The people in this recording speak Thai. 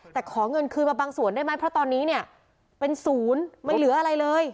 แต่ขอเงินคืนมาบางส่วนได้ไหมเพราะตอนนี้เนี่ยเป็นศูนย์ไม่เหลืออะไรเลย